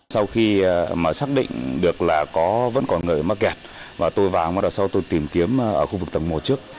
sau khi xác định được là vẫn còn người mắc kẹt tôi vào tôi tìm kiếm ở khu vực tầng một trước